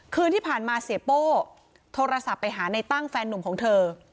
คืนที่ผ่านมาเสียโป้โทรศัพท์ไปหาในตั้งแฟนนุ่มของเธอ